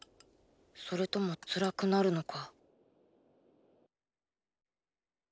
それとも辛くなるのか？